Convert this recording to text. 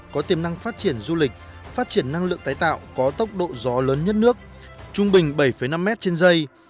có tiềm năng phát triển du lịch phát triển năng lượng tái tạo có tốc độ gió lớn nhất nước trung bình bảy năm m trên dây